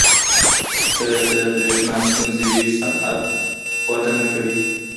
که د برېښنا ستونزه وي، صنعت نه وده کوي.